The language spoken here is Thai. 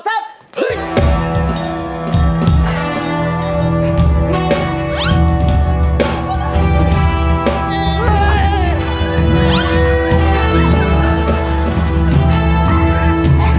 เฮ่ย